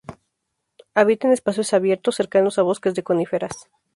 Habita en espacios abiertos, cercanos a bosques de coníferas.